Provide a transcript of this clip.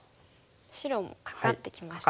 白もカカってきましたね。